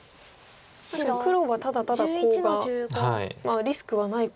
確かに黒はただただコウがリスクはないコウです